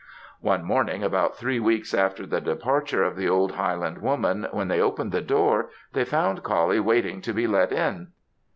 One morning, about three weeks after the departure of the old Highland woman, when they opened the door they found Coullie waiting to be let in.